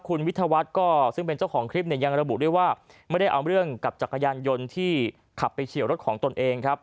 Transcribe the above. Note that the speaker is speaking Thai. คุณวิทยาวัฒน์ก็ซึ่งเป็นเจ้าของคลิปเนี่ยยังระบุด้วยว่าไม่ได้เอาเรื่องกับจักรยานยนต์ที่ขับไปเฉียวรถของตนเองครับ